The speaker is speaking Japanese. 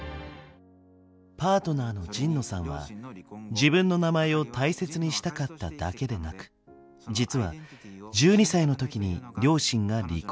パートナーの神野さんは自分の名前を大切にしたかっただけでなく実は１２歳の時に両親が離婚。